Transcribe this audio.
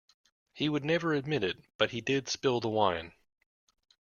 He would never admit it, but he did spill the wine.